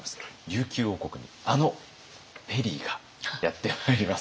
琉球王国にあのペリーがやって参ります。